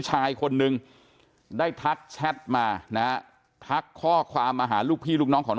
ชายคนนึงได้ทักแชทมานะทักข้อความมาหาลูกพี่ลูกน้องของน้อง